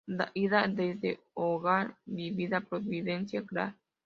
Ida: Desde Hogar Divina Providencia, Gral.